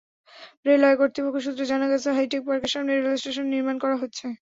Railway কর্তৃপক্ষ সূত্রে জানা গেছে, হাইটেক পার্কের সামনে রেলস্টেশন নির্মাণ করা হচ্ছে।